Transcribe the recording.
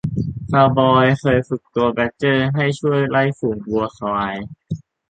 คาวบอยเคยฝึกตัวแบดเจอร์ให้ช่วยไล่ฝูงวัวควาย